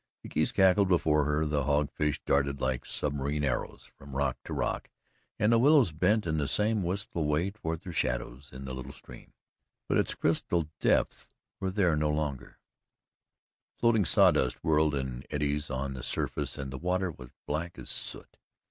The geese cackled before her, the hog fish darted like submarine arrows from rock to rock and the willows bent in the same wistful way toward their shadows in the little stream, but its crystal depths were there no longer floating sawdust whirled in eddies on the surface and the water was black as soot.